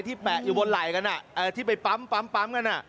แปะอยู่บนไหล่กันที่ไปปั๊มกัน